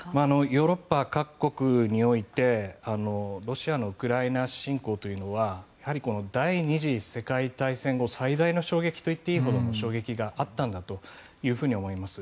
ヨーロッパ各国においてロシアのウクライナ侵攻というのは第２次世界大戦後最大の衝撃と言っていいほどの衝撃があったんだと思います。